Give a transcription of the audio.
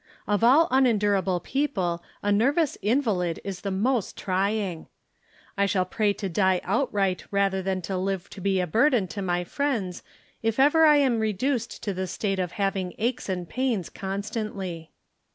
Of all unendurable people a nervous invalid is the most trying. I shall pray to die outright ra ther than to live to be a burden to my friends, if ever I am reduced to the state of having aches and pains constantly.